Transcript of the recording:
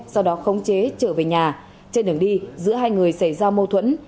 sau đó khống chế trở về nhà trên đường đi giữa hai người xảy ra mâu thuẫn